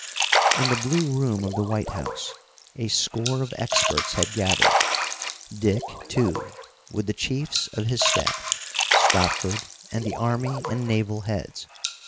In the Blue Room of the White House a score of experts had gathered. Dick, too, with the chiefs of his staff, Stopford, and the army and naval heads.